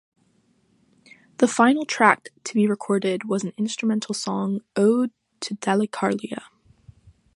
The final track to be recorded was an instrumental song, "Ode to Dalecarlia".